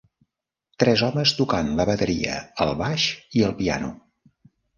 Tres homes tocant la bateria, el baix i el piano.